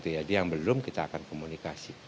jadi yang belum kita akan komunikasi